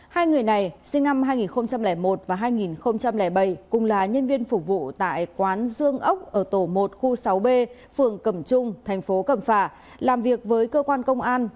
hai người này sinh năm hai nghìn một và hai nghìn bảy cùng là nhân viên phục vụ tại quán dương ốc ở tổ một khu sáu b phường cẩm trung thành phố cẩm phả làm việc với cơ quan công an